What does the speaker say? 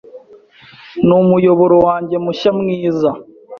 numuyoboro wanjye mushya mwiza